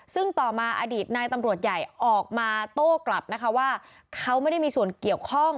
ซึ่งต่อมาอดีตนายตำรวจใหญ่ออกมาโต้กลับนะคะว่าเขาไม่ได้มีส่วนเกี่ยวข้อง